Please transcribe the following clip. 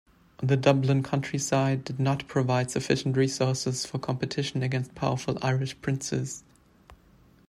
The Dublin countryside did not provide sufficient resources for competition against powerful Irish princes.